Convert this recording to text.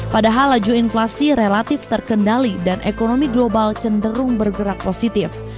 padahal laju inflasi relatif terkendali dan ekonomi global cenderung bergerak positif